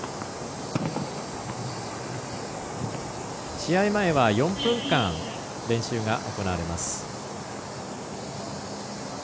試合前は４分間練習が行われます。